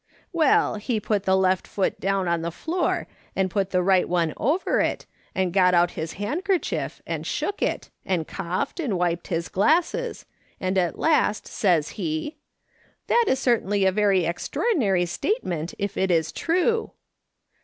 *" Well, he put the left foot down on the floor, and put the right one over it. and got out his handkev •7 SUPPOSE HE KNOWS WHAT HE MEANT." 143 chief aud shook it, and coughed and wiped his glasses, aud, at last, says he :"' That is ceitaiuly a very extraordinary state meut, if it is true